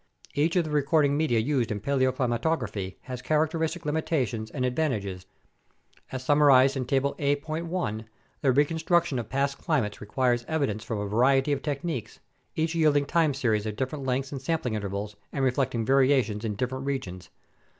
Each of the recording media used in paleoclimatography has char acteristic limitations and advantages. As summarized in Table A.l, the reconstruction of past climates requires evidence from a variety of techniques, each yielding time series of different lengths and sampling intervals and reflecting variations in different regions.